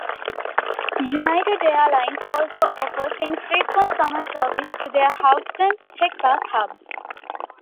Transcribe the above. United Airlines also offers infrequent summer service to their Houston, Texas hub.